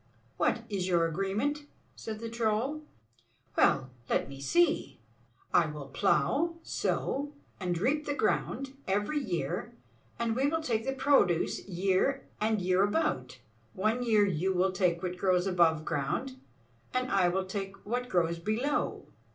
"What is your agreement?" said the Troll. "Well, let me see. I will plow, sow, and reap the ground every year, and we will take the produce year and year about. One year you will take what grows above ground, and I will take what grows below.